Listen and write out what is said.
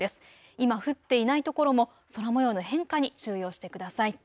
今降っていない所も空もようの変化に注意をしてください。